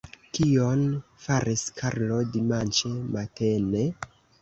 Kion faris Karlo dimanĉe matene?